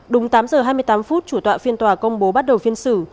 đúng tám giờ hai mươi tám phút chủ tọa phiên tòa công bố bắt đầu phiên xử